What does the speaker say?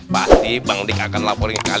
pasti bang dik akan laporin kalian ke pak rt